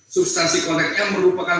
substansi konteknya merupakan